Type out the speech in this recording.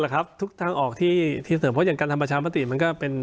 ครับทุกทางออกที่ที่เสนอเพราะอย่างการทำประชามติมันก็เป็น